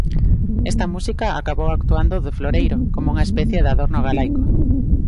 Esta música acabou actuando de floreiro, coma unha especie de adorno galaico.